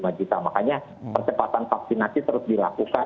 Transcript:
makanya percepatan vaksinasi terus dilakukan